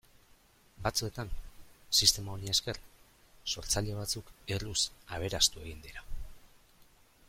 Batzuetan, sistema honi esker, sortzaile batzuk erruz aberastu egin dira.